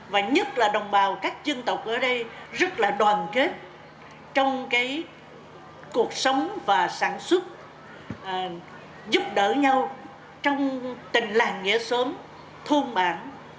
và nhất là đồng bào các dân tộc ở đây rất là đoàn kết trong cuộc sống và sản xuất giúp đỡ nhau trong tình làng nghĩa xóm thôn bản